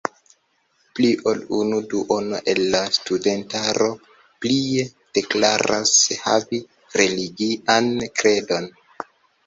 Pli ol unu duono el la studentaro plie deklaras havi religian kredon.